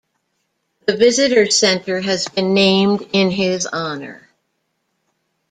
The visitor center has been named in his honor.